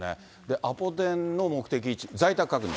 アポ電の目的１、在宅確認。